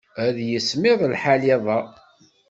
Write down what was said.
Ad yismiḍ lḥal iḍ-a.